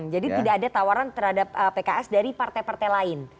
jadi tidak ada tawaran terhadap pks dari partai partai lain